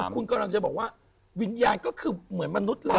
คุณกำลังจะบอกว่าวิญญาณก็คือเหมือนมนุษย์เรา